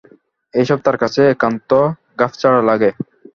এসব তার কাছে একান্ত খাপছাড়া লাগে।